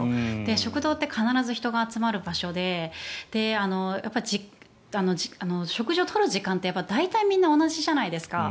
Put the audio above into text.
食堂って必ず人が集まる場所で食事を取る時間って大体みんな同じじゃないですか。